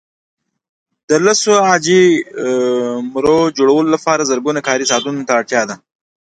د لسو عاجي مرو جوړولو لپاره زرګونه کاري ساعته اړتیا ده.